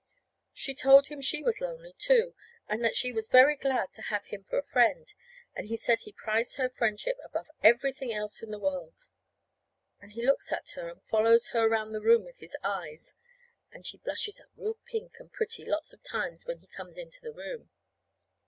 She told him she was lonely, too, and that she was very glad to have him for a friend; and he said he prized her friendship above everything else in the world. And he looks at her, and follows her around the room with his eyes; and she blushes up real pink and pretty lots of times when he comes into the room.